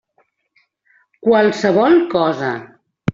Qualsevol cosa.